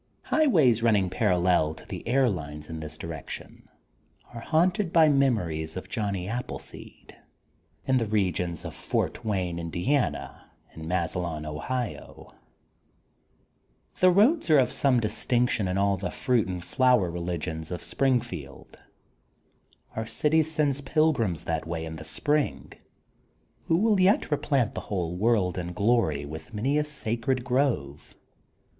Highways running parallel to the air lines in this direction are haunted by mem ories of Johnny Appleseed, in the regions of Fort Wayne, Indiana, and Massilon, Ohio. The roads are of some distinction in all the fruit and flower religions of Springfield. Our city sends pilgrims that way in the spring who will yet replant the whole world in glory with many a sacred grove.